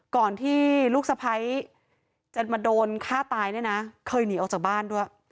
ก่อนที่ลูกสะไพรจะมาโดนฆ่าตายเคยหนีออกจากบ้านด้วย